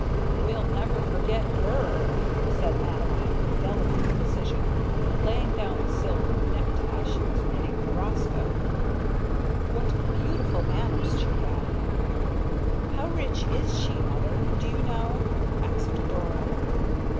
"We'll never forget her!" said Madeline, with delicate decision, laying down the silk necktie she was knitting for Roscoe. "What beautiful manners she had!" "How rich is she, mother? Do you know?" asked Dora.